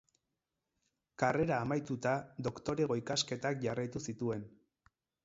Karrera amaituta, doktorego ikasketak jarraitu zituen.